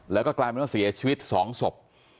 แล้วก็กลายเป็นว่าเสียชีวิต๒ศพ